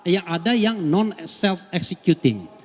ya ada yang non self executing